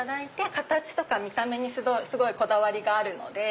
形とか見た目にすごいこだわりがあるので。